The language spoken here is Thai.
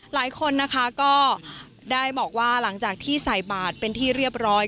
หลายคนนะคะก็ได้บอกว่าหลังจากที่ใส่บาทเป็นที่เรียบร้อย